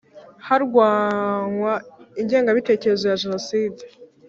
Harwanywa ingengabitekerezo ya Jenoside